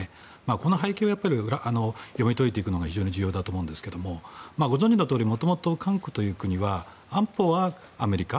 この背景を読み解いていくのが非常に重要だと思うんですがご存じのとおり元々、韓国という国は安保はアメリカ